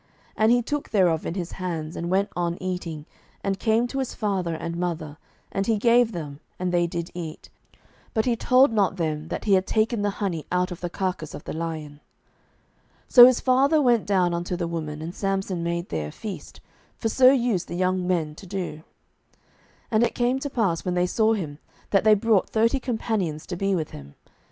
07:014:009 And he took thereof in his hands, and went on eating, and came to his father and mother, and he gave them, and they did eat: but he told not them that he had taken the honey out of the carcase of the lion. 07:014:010 So his father went down unto the woman: and Samson made there a feast; for so used the young men to do. 07:014:011 And it came to pass, when they saw him, that they brought thirty companions to be with him.